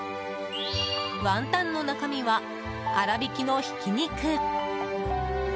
ワンタンの中身は粗びきのひき肉。